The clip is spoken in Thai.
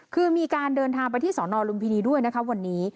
คือมีการเดินทางไปที่สอนอลุมพินีด้วยนะคะวันนี้